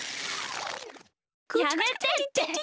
やめてって。